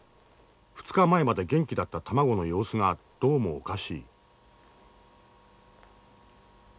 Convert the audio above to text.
２日前まで元気だった卵の様子がどうもおかしい。